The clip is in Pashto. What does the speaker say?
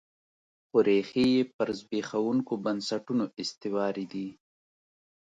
خو ریښې یې پر زبېښونکو بنسټونو استوارې دي.